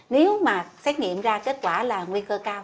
nếu mà xét nghiệm ra kết quả là nguy cơ cao